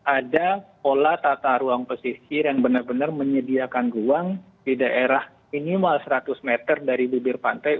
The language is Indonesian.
ada pola tata ruang pesisir yang benar benar menyediakan ruang di daerah minimal seratus meter dari bibir pantai